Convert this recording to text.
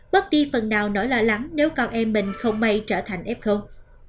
bất đi phần nào nổi lạ lắm nếu con em mình không may trở thành ép không